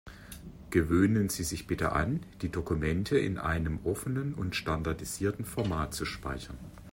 Gewöhnen Sie sich bitte an, die Dokumente in einem offenen und standardisierten Format zu speichern.